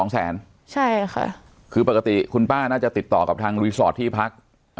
ใช่ค่ะคือปกติคุณป้าน่าจะติดต่อกับทางรีสอร์ทที่พัก